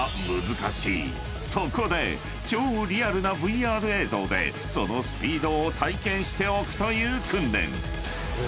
［そこで超リアルなＶＲ映像でそのスピードを体験しておくという訓練］